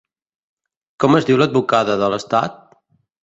Com es diu l'advocada de l'estat?